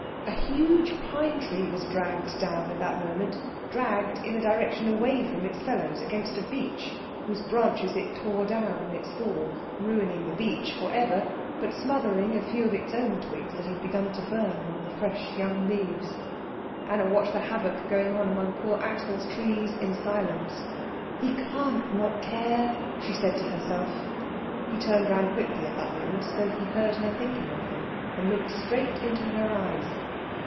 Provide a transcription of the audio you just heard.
A huge pine tree was dragged down at that moment, dragged in a direction away from its fellows, against a beech, whose branches it tore down in its fall, ruining the beech for ever, but smothering a few of its own twigs that had begun to burn among the fresh young leaves. Anna watched the havoc going on among poor Axel's trees in silence. "He can't not care," she said to herself. He turned round quickly at that moment, as though he heard her thinking of him, and looked straight into her eyes.